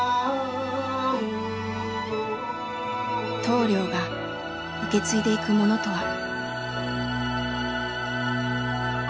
棟梁が受け継いでいくものとは。